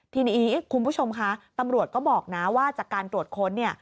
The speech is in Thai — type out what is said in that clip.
ทีนี้คุณผู้ชมคะตำรวจก็บอกนะว่าจากการตรวจค้นเนี่ย